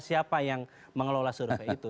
siapa yang mengelola survei itu